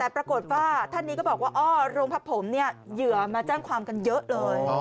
แต่ปรากฏว่าท่านนี้ก็บอกว่าอ้อโรงพักผมเนี่ยเหยื่อมาแจ้งความกันเยอะเลย